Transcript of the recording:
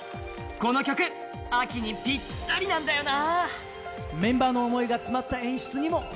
この曲、秋にぴったりなんだよな。